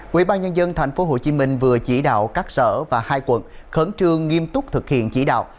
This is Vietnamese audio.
quỹ ban nhân dân tp hcm vừa chỉ đạo các sở và hai quận khẩn trương nghiêm túc thực hiện chỉ đạo